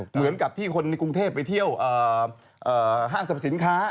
เหมือนกับที่คนในกรุงเทพไปเที่ยวห้างสรรพสินค้า